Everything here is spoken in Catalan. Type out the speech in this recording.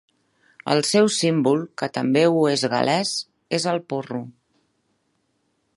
El seu símbol, que també ho és de Gal·les, és el porro.